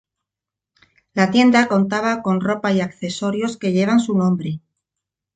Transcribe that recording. La tienda contaba con ropa y accesorios que llevan su nombre.